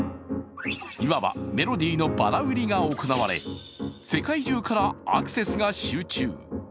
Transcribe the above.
いわばメロディーのばら売りが行われ、世界中からアクセスが集中。